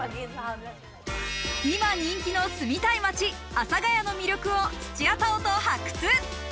今人気の住みたい街・阿佐ヶ谷の魅力を土屋太鳳と発掘。